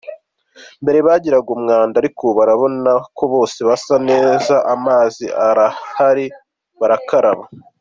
Mbere bagiraga n’umwanda ariko ubu murabona ko bose basa neza amazi arahari barakaraba.